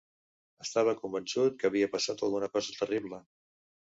Estava convençut que havia passat alguna cosa terrible.